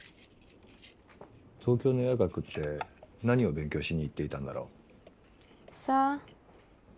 東京の夜学って何を勉強しに行っていたんだろう。さあ。